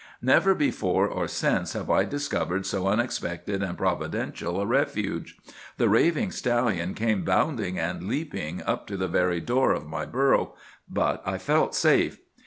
"Never before or since have I discovered so unexpected and providential a refuge. The raving stallion came bounding and leaping up to the very door of my burrow, but I felt safe.